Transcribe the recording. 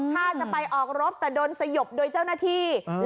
ถ้าจะไปออกรบแต่โดนสยบโดยเจ้าหน้าที่